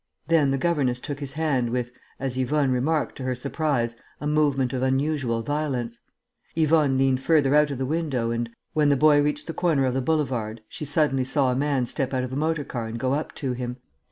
Then the governess took his hand with, as Yvonne remarked to her surprise, a movement of unusual violence. Yvonne leant further out of the window and, when the boy reached the corner of the boulevard, she suddenly saw a man step out of a motor car and go up to him.